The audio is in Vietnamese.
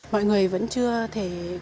mọi người vẫn chưa thể xóa hết